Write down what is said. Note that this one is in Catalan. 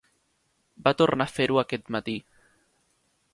Va tornar a fer-ho aquest matí .